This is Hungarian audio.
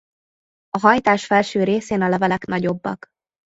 A hajtás felső részén a levelek nagyobbak.